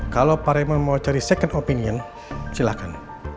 kalau pak raymond mau cari second opinion silakan